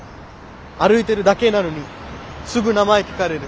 歩いてるだけなのにすぐ名前聞かれる。